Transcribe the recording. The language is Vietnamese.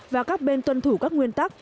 và các bên tuân thủ các nguyên tắc